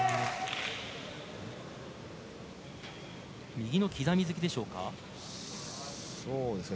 右の刻み突きでしょうか。